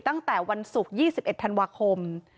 ตั้งแต่วันศุกร์๒๑ธันวาคม